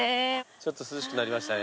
ちょっと涼しくなりましたね。